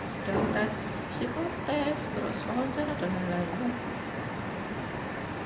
sudah tes psikotest terus rancang dan lain lain